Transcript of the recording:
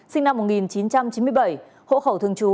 sinh năm một nghìn chín trăm chín mươi bảy hộ khẩu thường trú